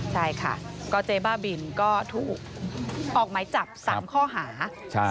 ใช่ค่ะก็เจ๊บ้าบินก็ถูกออกหมายจับ๓ข้อหา